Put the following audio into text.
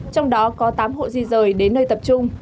trong đó có tám hộ di rời đến nơi tập trung